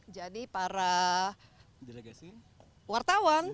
jadi para wartawan